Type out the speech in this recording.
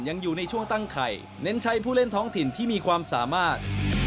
ยังอยู่ในช่วงตั้งไข่เน้นใช้ผู้เล่นท้องถิ่นที่มีความสามารถ